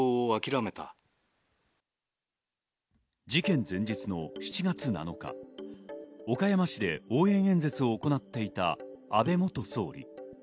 事件前日の７月７日、岡山市で応援演説を行っていた安倍元総理。